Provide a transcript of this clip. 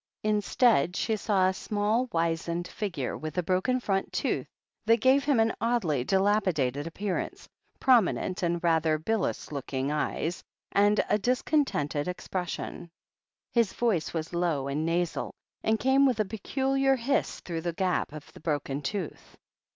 In stead she saw a small, wizened figure, with a broken front tooth, that gave him an oddly dilapidated ap pearance, prominent and rather bilious looking eyes, and a discontented expression. His voice was low and nasal, and came with a peculiar hiss through the gap of the broken tooth.